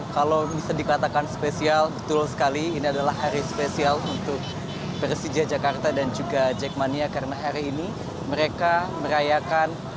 kalau bisa dikatakan spesial betul sekali ini adalah hari spesial untuk persija jakarta dan juga jackmania karena hari ini mereka merayakan